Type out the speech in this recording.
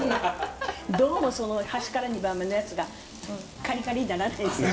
どうもその端から２番目のやつがカリカリにならないんですよね。